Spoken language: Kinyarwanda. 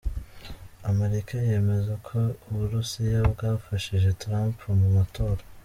Amerika yemeza ko Uburusiya bwafashije Trump mu matora.